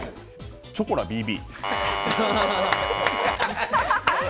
チョコラＢＢ。